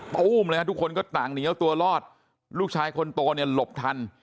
ตู้มเลยฮะทุกคนก็ต่างหนีเอาตัวรอดลูกชายคนโตเนี่ยหลบทัน